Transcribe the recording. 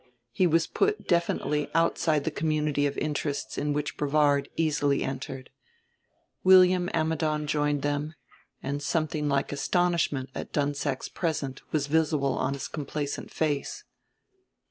He was put definitely outside the community of interests in which Brevard easily entered. William Ammidon joined them, and something like astonishment at Dunsack's presence was visible on his complacent face.